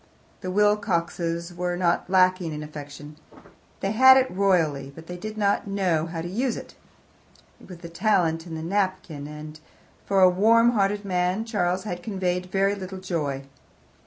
The Wilcoxes were not lacking in affection; they had it royally, but they did not know how to use it. It was the talent in the napkin, and, for a warm hearted man, Charles had conveyed very little joy.